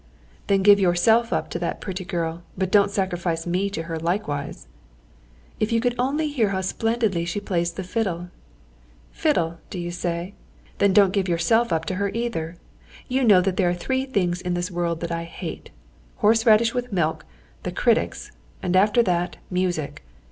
"Then give yourself up to that pretty girl, but don't sacrifice me to her likewise." "If you could only hear how splendidly she plays the fiddle." "Fiddle, do you say? Then don't give yourself up to her either! You know there are three things in this world that I hate horse radish with milk, the critics, and after that, music."